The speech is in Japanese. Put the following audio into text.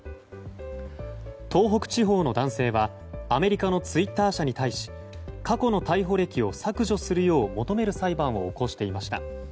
東北地方の男性はアメリカのツイッター社に対し過去の逮捕歴を削除するよう求める裁判を起こしていました。